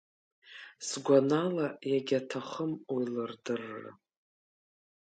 Сгәанала, иагьаҭахым уи лырдырра.